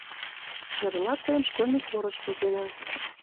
Эрлак тыйым школьный хорыш возена.